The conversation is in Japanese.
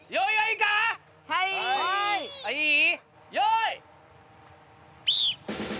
はい。用意！